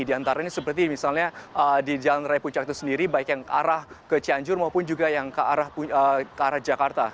di antara ini seperti misalnya di jalan raya puncak itu sendiri baik yang arah ke cianjur maupun juga yang ke arah jakarta